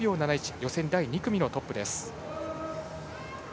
予選２組のトップです。